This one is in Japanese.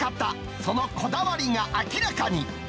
そのこだわりが明らかに。